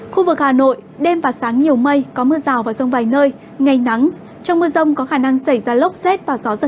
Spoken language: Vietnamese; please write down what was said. khu vực hà nội đêm và sáng nhiều mây có mưa rào và rông vài nơi ngày nắng trong mưa rông có khả năng xảy ra lốc xét và gió giật mạnh nhiệt độ từ hai mươi sáu đến ba mươi bốn độ